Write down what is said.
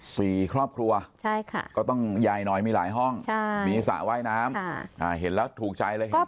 สี่ครอบครัวก็ต้องยายน้อยมีหลายห้องมีอุตส่าห์ว่ายน้ำเห็นแล้วถูกใจอะไร